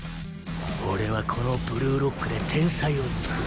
俺はこのブルーロックで天才を創る。